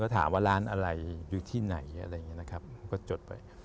ถามว่าร้านอะไรอยู่ที่ไหนอะไรอย่างนี้นะครับก็จดไป